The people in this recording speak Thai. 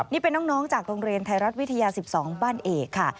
นี่เป็นน้องจากโรงเรียนไทยรัฐวิทยา๑๒บ้านเอกค่ะ